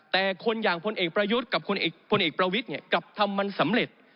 แต่คนอย่างพลเอกประยุทธ์กับพลเอกประวิทย์กลับทำมันสำเร็จ